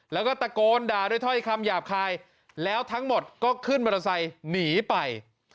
แล้วก็ตะโกนด่าด้วยถ้อยคำหยาบคายแล้วทั้งหมดก็ขึ้นมอเตอร์ไซค์หนีไป